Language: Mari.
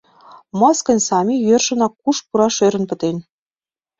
Мыскынь Сами йӧршынак куш пураш ӧрын пытен.